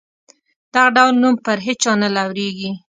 دغه ډول نوم پر هیچا نه لورېږي.